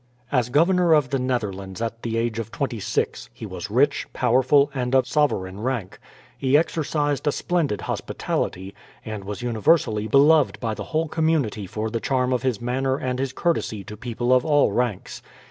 As Governor of the Netherlands at the age of twenty six, he was rich, powerful, and of sovereign rank. He exercised a splendid hospitality, and was universally beloved by the whole community for the charm of his manner and his courtesy to people of all ranks.